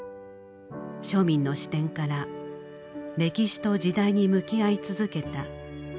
庶民の視点から歴史と時代に向き合い続けた９２年の生涯でした。